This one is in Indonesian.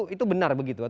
itu benar begitu